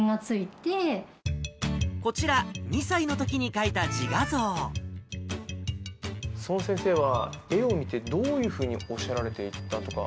こちら、２歳のときに描いたその先生は、絵を見てどういうふうにおっしゃられていたのか。